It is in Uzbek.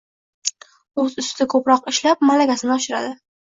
o‘z ustida ko‘proq ishlab, malakasini oshiradi.